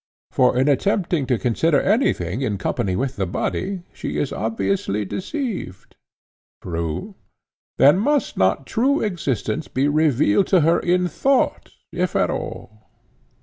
—for in attempting to consider anything in company with the body she is obviously deceived. True. Then must not true existence be revealed to her in thought, if at all?